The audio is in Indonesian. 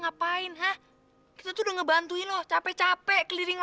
waktu alva pertama kali muncul